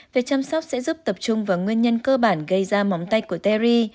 việc chăm sóc sẽ giúp tập trung vào nguyên nhân cơ bản gây ra móng tay của teri